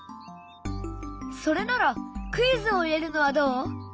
それならクイズを入れるのはどう？